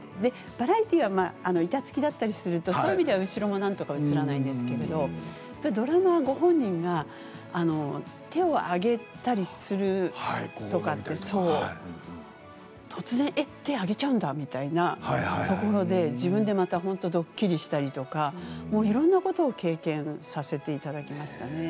バラエティーは板付きだったりすると、そういう意味では後ろもなんとか映らないですけどドラマは、ご本人が手を上げたりするとかってそう、突然、えっ、手を上げちゃうんだみたいなところで自分でまた本当ドッキリしたりとか、いろんなことを経験させていただきましたね。